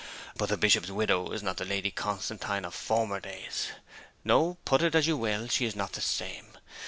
But the Bishop's widow is not the Lady Constantine of former days. No; put it as you will, she is not the same.